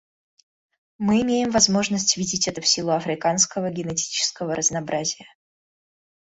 Мы имеем возможность видеть это в силу африканского генетического разнообразия.